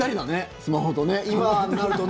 スマホとね。